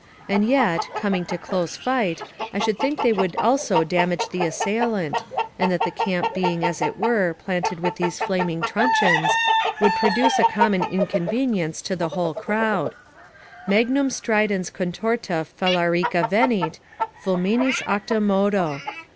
And yet, coming to close fight, I should think they would also damage the assailant, and that the camp being as it were planted with these flaming truncheons, would produce a common inconvenience to the whole crowd: "Magnum stridens contorta Phalarica venit, Fulminis acta modo."